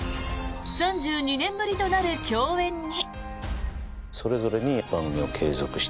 ３２年ぶりとなる共演に。